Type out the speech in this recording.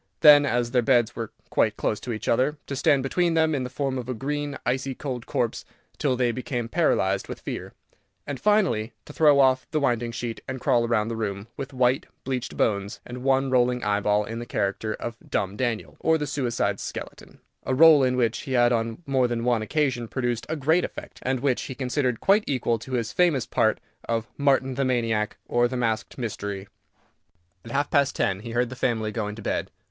Then, as their beds were quite close to each other, to stand between them in the form of a green, icy cold corpse, till they became paralyzed with fear, and finally, to throw off the winding sheet, and crawl round the room, with white, bleached bones and one rolling eyeball, in the character of "Dumb Daniel, or the Suicide's Skeleton," a rôle in which he had on more than one occasion produced a great effect, and which he considered quite equal to his famous part of "Martin the Maniac, or the Masked Mystery." At half past ten he heard the family going to bed.